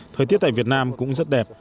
thời tiết tại việt nam cũng rất đẹp